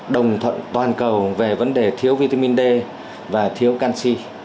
đồng thuận toàn cầu về vấn đề thiếu vitamin d và thiếu canxi